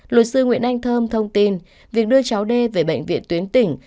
luật sư nguyễn anh thơm thông tin việc đưa cháu đê về bệnh viện tuyến tỉnh